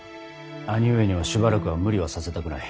兄上にはしばらくは無理はさせたくない。